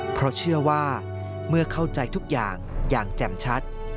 เพราะเชื่อว่าเมื่อเข้าใจทุกอย่างอย่างแจ่มชัด